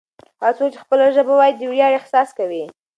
هغه څوک چې خپله ژبه وايي د ویاړ احساس کوي.